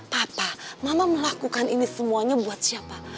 papa mama melakukan ini semuanya buat siapa